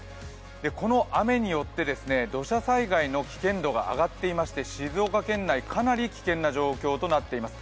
この雨によって土砂災害の危険度が上がっていまして、静岡県内、かなり危険な状況となっています。